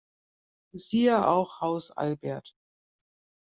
Siehe auch Haus Albert